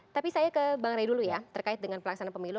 tapi saya ke bang ray dulu ya terkait dengan pelaksanaan pemilu